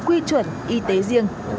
quy chuẩn y tế riêng